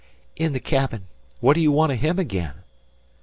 "In the cabin. What d' you want o' him again?"